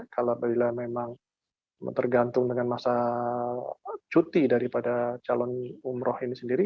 kalau bila memang tergantung dengan masa cuti daripada calon umroh ini sendiri